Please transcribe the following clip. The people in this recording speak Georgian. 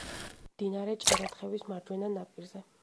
მდინარე ჭერათხევის მარჯვენა ნაპირზე.